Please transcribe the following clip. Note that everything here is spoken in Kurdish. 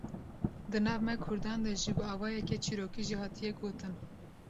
di nav me Kurdan de jî bi awayeke çîrokî jî hatiye gotin